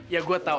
ya gua tau